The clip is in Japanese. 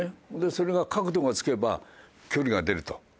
それが角度がつけば距離が出ると。